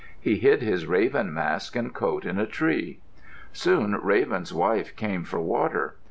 He hid his raven mask and coat in a tree. Soon Raven's wife came for water.